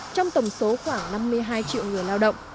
trong tổng số khoảng năm mươi hai triệu người lao động